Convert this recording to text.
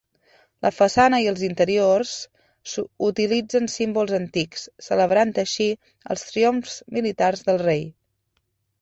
La façana i els interiors utilitzen símbols antics, celebrant així els triomfs militars del rei.